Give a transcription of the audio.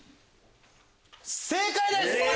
正解です！